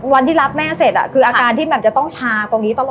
วันที่รับแม่เสร็จคืออาการที่แบบจะต้องชาตรงนี้ตลอด